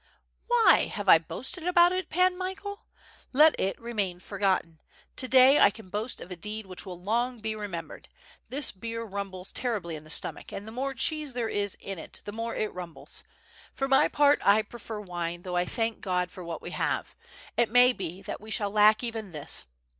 "WTiy, have I boasted about it, Pan Michael? Let it re main forgotten. To day I can boast of a deed which will long be remem])ered. This beer rumbles terribly in the stomach, and the more cheese there is in it the more it rumbles; for my part 1 prefer wine, though I thank God for 46 722 WITH FIRE AND SWORD. what we have. It may be that we shall lack even this.